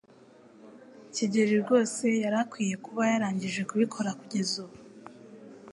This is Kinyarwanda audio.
Kigeri rwose yari akwiye kuba yarangije kubikora kugeza ubu.